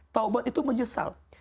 taubat itu menyesal